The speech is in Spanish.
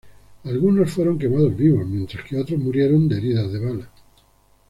Algunos fueron quemados vivos, mientras que otros murieron de heridas de bala.